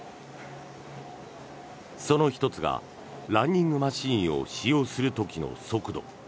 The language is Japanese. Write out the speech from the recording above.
その１つが、ランニングマシンを使用する時の速度。